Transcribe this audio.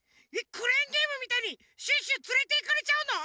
クレーンゲームみたいにシュッシュつれていかれちゃうの？